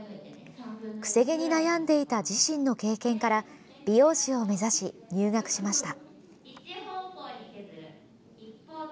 癖毛に悩んでいた自身の経験から美容師を目指し入学しました。